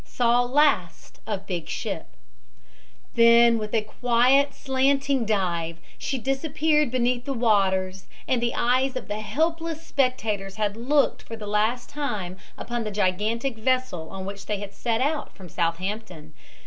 SAW LAST OF BIG SHIP Then with a quiet, slanting dive she disappeared beneath the waters, and the eyes of the helpless spectators had looked for the last time upon the gigantic vessel on which they had set out from Southampton.